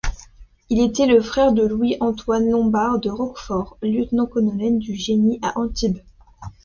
Il était le frère de Louis-Antoine Lombard de Roquefort, lieutenant-colonel du génie à Antibes.